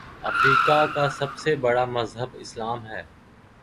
افریقہ کا سب سے بڑا مذہب اسلام ہے